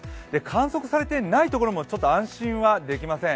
観測されていないところもちょっと安心はできません。